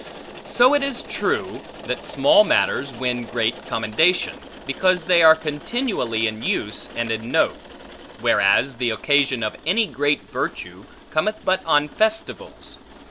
So it is true, that small matters win great commendation, because they are continually in use and in note: whereas the occasion of any great virtue, cometh but on festivals.